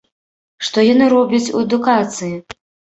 Што яны робяць у адукацыі?